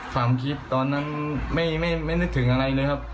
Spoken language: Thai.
ความคิดตอนนั้นไม่นึกถึงอะไรเลยครับ